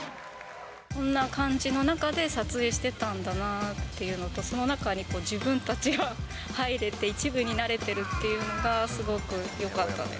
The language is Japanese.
こんな感じの中で撮影してたんだなっていうのと、その中に自分たちが入れて、一部になれてるというのがすごくよかったです。